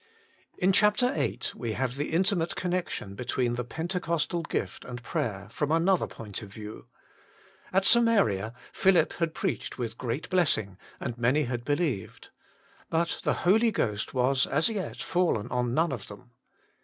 In chapter viii. we have the intimate connec tion between the Pentecostal gift and prayer, from another point of view. At Samaria, Philip had preached with great blessing, and many had be lieved. But the Holy Ghost was, as yet, fallen on none of them.